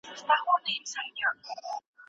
نهلوستل کیږي.